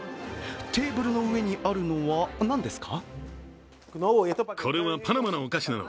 テーブルの上にあるのは何ですか？